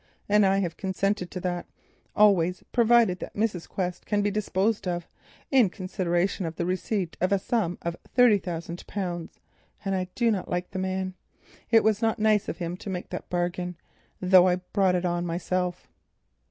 And I have consented to that, always provided that Mrs. Quest can be disposed of, in consideration of the receipt of a sum of thirty thousand pounds. And I do not like the man. It was not nice of him to make that bargain, though I brought it on myself.